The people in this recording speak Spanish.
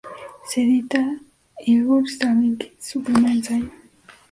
Se edita "Igor Stravinsky", su primer ensayo.